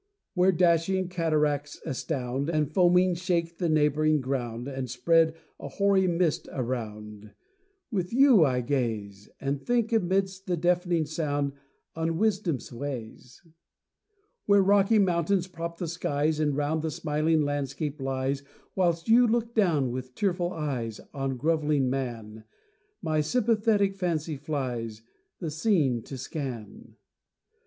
Where dashing cataracts astound, And foaming shake the neighbouring ground, And spread a hoary mist around, With you I gaze! And think, amid'st the deaf'ning sound, On wisdom's ways. Where rocky mountains prop the skies, And round the smiling landscape lies, Whilst you look down with tearful eyes On grovelling man, My sympathetic fancy flies, The scene to scan.